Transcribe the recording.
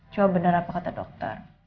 coba benar apa kata dokter